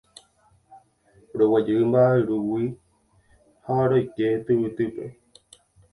Roguejy mba'yrúgui ha roike tyvytýpe